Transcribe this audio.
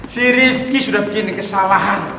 si rifki sudah begini kesalahan